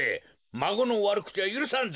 まごのわるくちはゆるさんぞ。